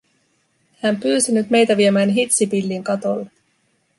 Hän pyysi nyt meitä viemään hitsipillin katolle.